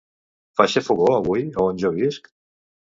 Fa xafogor avui on jo visc?